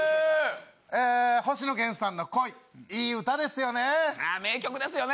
星野源さんの恋、いい歌ですよね。